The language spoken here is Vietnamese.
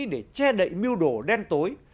để che đậy mưu đồ đen tối